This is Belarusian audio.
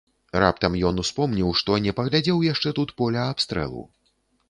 Раптам ён успомніў, што не паглядзеў яшчэ тут поля абстрэлу.